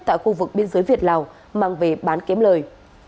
tại khu vực biên giới việt lào mang về bán kiếm lời